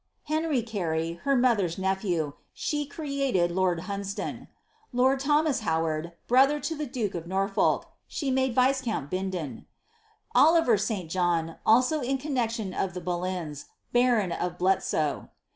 Henry Carey, her mother^s nephew, she created lord Hunsdon ; the lord Thomas Howard, brother to the duke of Norfolk, she made viscount Bindon; Oliver St. John, also a connexion of the Boleyn's, baron of Bletsoe.